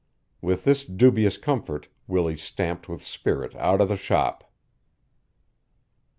With this dubious comfort Willie stamped with spirit out of the shop.